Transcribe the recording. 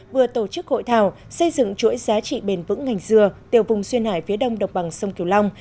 vừa tổ chức hội thảo xây dựng chuỗi giá trị bền vững ngành dừa tiểu vùng xuyên hải phía đông đồng bằng sông kiều long